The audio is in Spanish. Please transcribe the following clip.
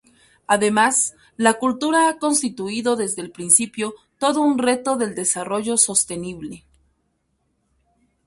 Además, la cultura ha constituido desde el principio todo un reto del desarrollo sostenible.